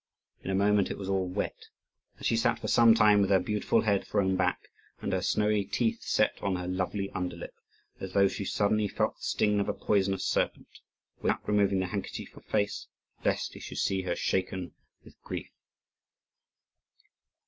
In a moment it was all wet; and she sat for some time with her beautiful head thrown back, and her snowy teeth set on her lovely under lip, as though she suddenly felt the sting of a poisonous serpent, without removing the handkerchief from her face, lest he should see her shaken with grief.